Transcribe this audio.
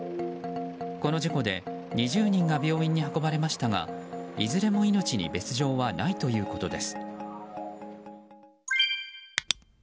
この事故で２０人が病院に運ばれましたがいずれも命に別状はないということです。